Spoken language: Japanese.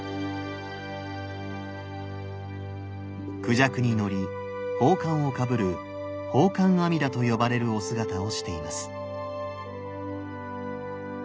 クジャクに乗り宝冠をかぶる宝冠阿弥陀と呼ばれるお姿をしています。